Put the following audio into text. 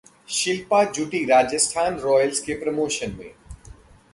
शिल्पा जुटी राजस्थान रॉयल्स के प्रमोशन में